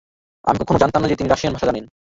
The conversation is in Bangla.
আমি কখনো জানতাম না যে তিনি রাশিয়ান ভাষা জানে।